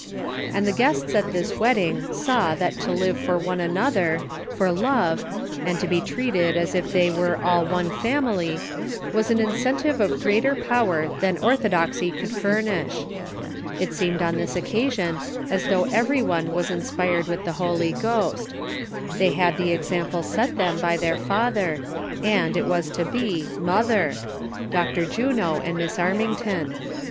And the guests at this wedding saw that to live for one another, for love, and to be treated as if they were all one family, was an incentive of greater power than orthodoxy could furnish. It seemed on this occasion as though every one was inspired with the Holy Ghost. They had the ex ample set them by their Father, and, was to be, Mother— Dr. Juno and Miss Armington.